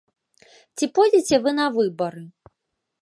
Ці пойдзеце вы на выбары?